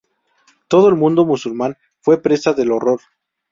Todo el mundo musulmán fue presa del horror.